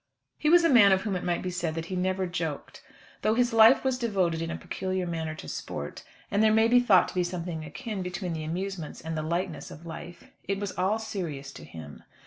He was a man of whom it might be said that he never joked. Though his life was devoted in a peculiar manner to sport, and there may be thought to be something akin between the amusements and the lightness of life, it was all serious to him.